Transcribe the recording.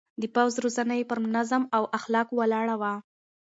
د پوځ روزنه يې پر نظم او اخلاقو ولاړه وه.